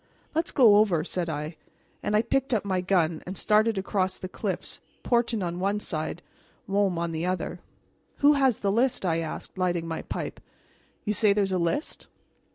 "Let's go over," said I; and I picked up my gun and started across the cliffs, Portin on one side, Môme on the other. "Who has the list?" I asked, lighting my pipe. "You say there is a list?"